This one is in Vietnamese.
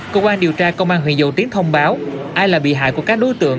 cơ quan điều tra công an huyện dầu tiếng thông báo ai là bị hại của các đối tượng